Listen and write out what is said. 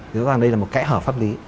thì tôi rằng đây là một cái hở pháp lý